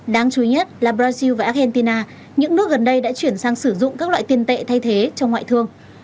đáng chú ý nhất là brazil và argentina những nước gần đây đã chuyển sang sử dụng các loại tiền tệ thay thế trong ngoại thương